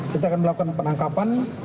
kita akan melakukan penangkapan